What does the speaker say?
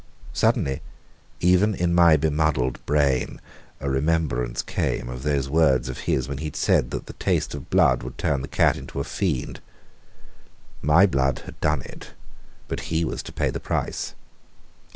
Suddenly even in my bemuddled brain a remembrance came of those words of his when he had said that the taste of blood would turn the cat into a fiend. My blood had done it, but he was to pay the price.